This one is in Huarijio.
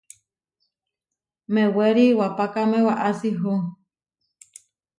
Mewéri iwapákame waʼási hu.